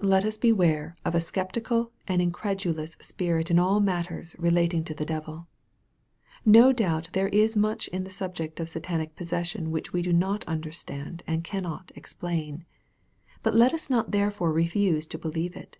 Let us beware of a sceptical and incredulous spirit in all matters relating to the devil. No doubt there is much in the subject of Satanic possession which we do not understand, and cannot explain. But let us not therefore refuse to believe it.